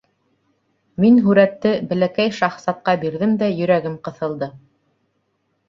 Мин һүрәтте Бәләкәй шаһзатҡа бирҙем дә йөрәгем ҡыҫылды.